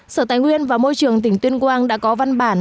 sở tài nguyên và môi trường tỉnh tuyên quang đã có văn bản